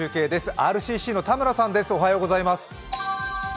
ＲＣＣの田村さんです。